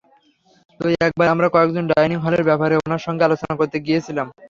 তো একবার আমরা কয়েকজন ডাইনিং হলের ব্যাপারে ওনার সঙ্গে আলোচনা করতে গিয়েছিলাম।